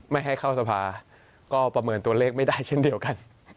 ไม่ให้เข้าสภาก็ประเมินตัวเลขไม่ได้เช่นเดียวกัน